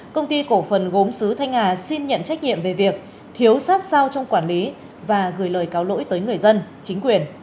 công ty cổ phần gốm sứ thanh hà xin nhận trách nhiệm về việc thiếu sát sao trong quản lý và gửi lời cáo lỗi tới người dân chính quyền